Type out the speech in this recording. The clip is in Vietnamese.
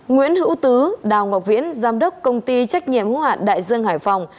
nguyễn hữu tứ đào ngọc viễn giám đốc công ty trách nhiệm hữu hạn đại dương hải phòng